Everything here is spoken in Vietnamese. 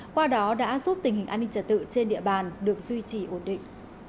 qua đó đã giúp tình hình an ninh trật tự trên địa bàn được duy trì ổn định